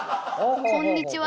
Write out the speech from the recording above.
「こんにちは」